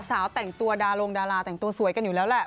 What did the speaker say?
สาวแต่งตัวดารงดาราแต่งตัวสวยกันอยู่แล้วแหละ